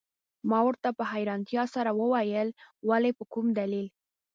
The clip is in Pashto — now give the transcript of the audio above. ما ورته په حیرانتیا سره وویل: ولي، په کوم دلیل؟